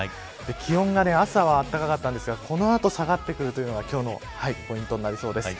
気温が、朝は暖かかったんですがこの後、下がってくるというのが今日のポイントになりそうです。